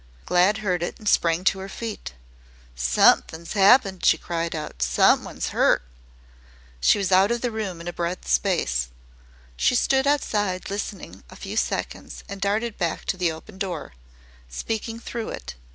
Glad heard it and sprang to her feet. "Somethin's 'appened," she cried out. "Someone's 'urt." She was out of the room in a breath's space. She stood outside listening a few seconds and darted back to the open door, speaking through it.